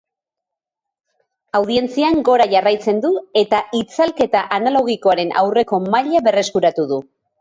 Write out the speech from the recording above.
Audientzian gora jarraitzen du eta itzalketa analogikoaren aurreko maila berreskuratu du.